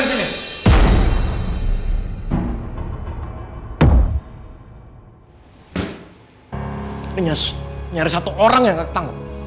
ini nyaris satu orang yang gak ketangkap